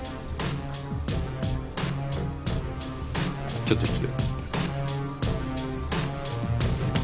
ちょっと失礼。